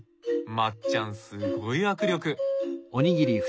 まっちゃんすごい握力。